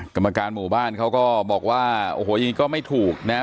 กรรมการบ้านเค้าก็บอกว่ายินดีก็ไม่ถูกนะฮะ